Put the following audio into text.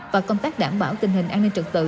và công tác đảm bảo tình hình an ninh trật tự